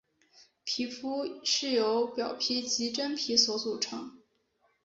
皮肤是由表皮及真皮所组成。